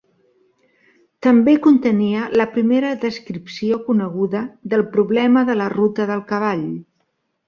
També contenia la primera descripció coneguda del problema de la ruta del cavall.